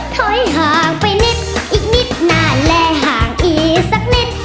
ถอยห่างไปนิดอีกนิดนานและห่างอีกสักนิด